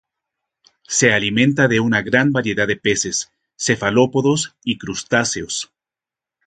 Se alimenta de una gran variedad de peces, cefalópodos y crustáceos.